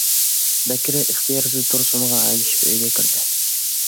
بەكرى ئىختىيارسىز تۇرسۇنغا ئەگىشىپ ئۆيگە كىردى.